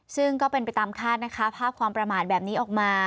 ซึ่งก็เป็นไปตามคาดนะคะภาพความประมาทแบบนี้ออกมา